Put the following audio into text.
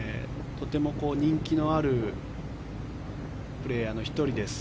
とても人気のあるプレーヤーの１人です。